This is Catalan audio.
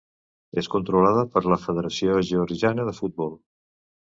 És controlada per la Federació Georgiana de Futbol.